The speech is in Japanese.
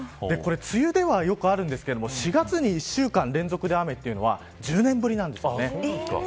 梅雨ではよくあるんですけれども４月に１週間連続雨というのは１０年ぶりなんです。